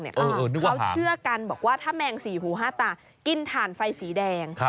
เขาเชื่อกันบอกว่าถ้าแมงสี่หูห้าตากินถ่านไฟสีแดง